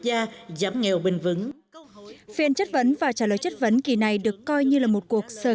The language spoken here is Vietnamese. gia giảm nghèo bình vẩn phiên chất vấn và trả lời chất vấn kỳ này được coi như là một cuộc sơ